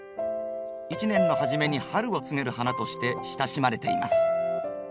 一年の初めに春を告げる花として親しまれています。